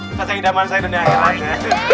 ustadzah idhaman saidun yang hilang